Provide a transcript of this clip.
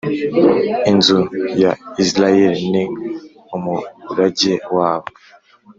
inzu ya Isirayeli ni umuragewabo